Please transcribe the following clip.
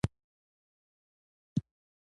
ټکنالوجي د انسان ژوند خوندي کړی دی.